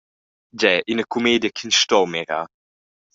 Gie, ina cumedia ch’ins sto mirar!